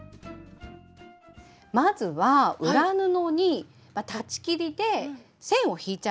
まずは裏布に裁ち切りで線を引いちゃいます。